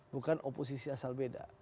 bukan oposisi asal beda